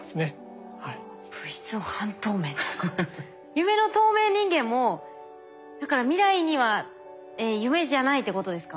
夢の透明人間もだから未来には夢じゃないってことですか？